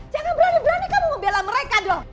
jangan berani berani kamu membela mereka dong